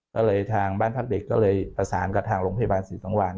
ก็เลยทางบ้านพักเด็กก็เลยประสานกับทางโรงพยาบาลศรีสังวาน